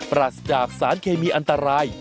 ปราศจากสารเคมีอันตราย